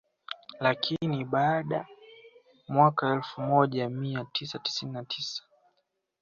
Lakini baadae mwaka elfu moja mia tisa tisini na mbili